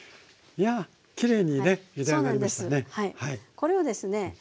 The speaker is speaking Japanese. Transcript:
これをですね